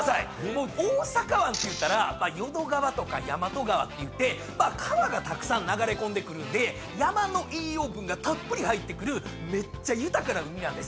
もう大阪湾っていうたら淀川とか大和川っていうて川がたくさん流れ込んでくるんで山の栄養分がたっぷり入ってくるめっちゃ豊かな海なんです。